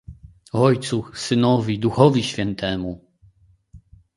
Ojcu, Synowi, Duchowi świętemu!